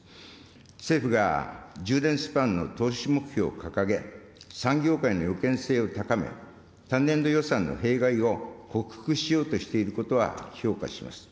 政府が１０年スパンの投資目標を掲げ、産業界の予見性を高め、単年度予算の弊害を克服しようとしていることは評価します。